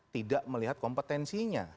tidak melihat kompetensinya